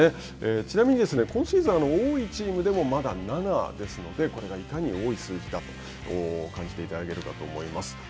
ちなみにですね、今シーズン、多いチームでもまだ７ですのでこれがいかに多い数字かと感じていただけるかと思います。